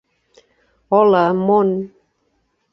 "Hola, món!"